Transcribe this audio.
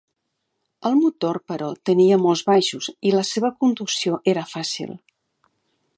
El motor, però, tenia molts baixos i la seva conducció era fàcil.